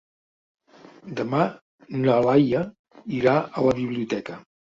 Demà na Laia irà a la biblioteca.